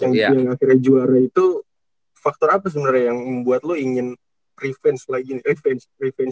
yang akhirnya juara itu faktor apa sebenernya yang membuat lo ingin revenge lagi nih saat itu